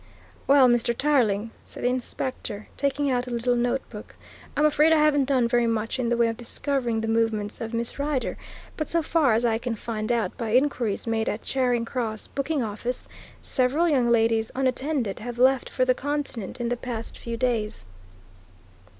"Well, Mr. Tarling," said the Inspector, taking out a little notebook, "I'm afraid I haven't done very much in the way of discovering the movements of Miss Rider, but so far as I can find out by inquiries made at Charing Cross booking office, several young ladies unattended have left for the Continent in the past few days."